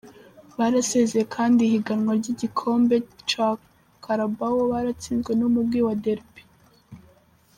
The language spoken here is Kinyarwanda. Barasezeye kandi ihiganwa ry'igikombe ca Carabao batsinzwe n'umugwi wa Derby.